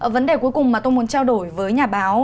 vấn đề cuối cùng mà tôi muốn trao đổi với nhà báo